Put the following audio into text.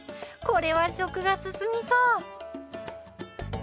これは食が進みそう！